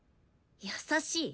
優しい？